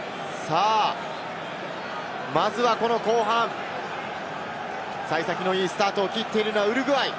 まずはこの後半、幸先のいいスタートを切ってるのはウルグアイ。